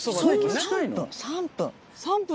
３分。